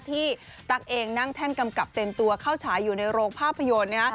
ตั๊กเองนั่งแท่นกำกับเต็มตัวเข้าฉายอยู่ในโรงภาพยนตร์